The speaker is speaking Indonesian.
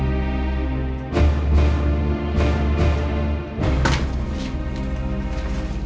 mak kasih nengri mak kasih nengri